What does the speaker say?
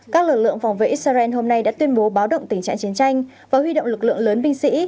các lực lượng phòng vệ israel hôm nay đã tuyên bố báo động tình trạng chiến tranh và huy động lực lượng lớn binh sĩ